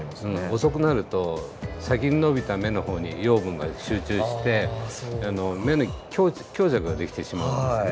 遅くなると先に伸びた芽の方に養分が集中して芽に強弱が出来てしまうんですね。